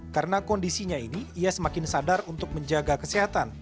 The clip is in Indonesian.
karena kondisinya ini ia semakin sadar untuk menjaga kesehatan